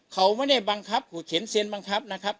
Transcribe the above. เขาไม่ได้บังคับขู่เข็นเซียนบังคับนะครับ